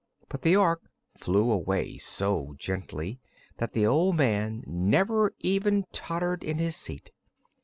But the Ork flew away so gently that the old man never even tottered in his seat.